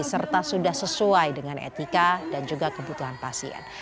serta sudah sesuai dengan etika dan juga kebutuhan pasien